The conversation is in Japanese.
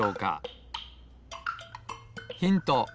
ヒント